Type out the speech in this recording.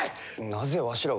なぜわしらが。